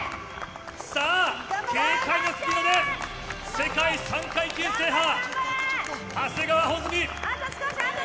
さあ、軽快なスピードで、世界３階級制覇、長谷川穂積。